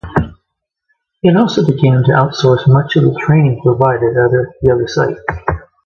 It also began to outsource much of the training provided at the other sites.